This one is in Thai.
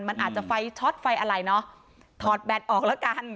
มันอาจจะไฟช็อตไฟอะไรเนอะถอดแบตออกแล้วกัน